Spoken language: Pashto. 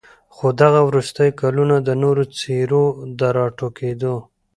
خو دغه وروستي كلونه د نوو څېرو د راټوكېدو